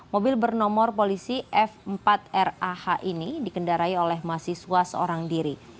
mobil bernomor polisi f empat rah ini dikendarai oleh mahasiswa seorang diri